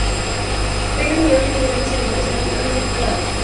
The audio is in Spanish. Banners o gráficos grandes y animados en este caso son ignorados.